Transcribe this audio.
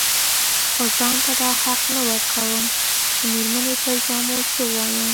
خو ځان ته دا حق نه ورکوم چې د مېرمنې پر جامو څه ووايم.